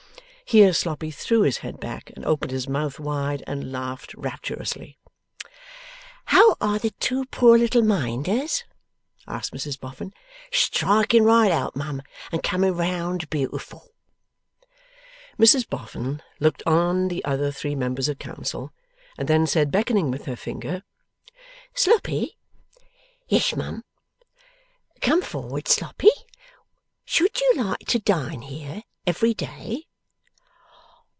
Here Sloppy threw his head back, opened his mouth wide, and laughed rapturously. 'How are the two poor little Minders?' asked Mrs Boffin. 'Striking right out, mum, and coming round beautiful.' Mrs Boffin looked on the other three members of Council, and then said, beckoning with her finger: 'Sloppy.' 'Yes, mum.' 'Come forward, Sloppy. Should you like to dine here every day?